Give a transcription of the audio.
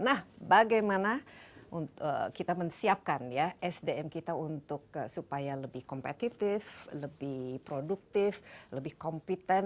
nah bagaimana kita menyiapkan ya sdm kita untuk supaya lebih kompetitif lebih produktif lebih kompeten